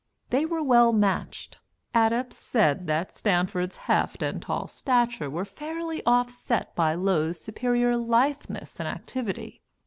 They were well matched. Adepts said that Stanford's "heft" and tall stature were fairly offset by Low's superior litheness and activity.